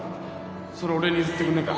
それ俺に譲ってくんねぇか